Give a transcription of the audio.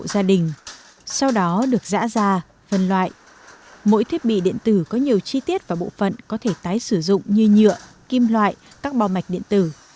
gia đình sau đó được giã ra phân loại mỗi thiết bị điện tử có nhiều chi tiết và bộ phận có thể tái sử dụng như nhựa kim loại các bò mạch điện tử